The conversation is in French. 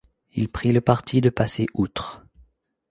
Il prit le parti de passer outre.